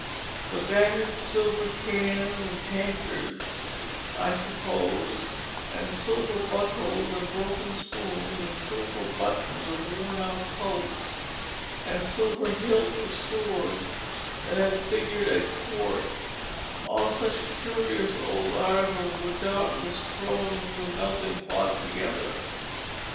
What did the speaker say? The battered silver cans and tankards, I suppose, and silver buckles, and broken spoons, and silver buttons of worn out coats, and silver hilts of swords that had figured at court, all such curious old articles were doubtless thrown into the melting pot together.